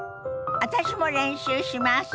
私も練習します！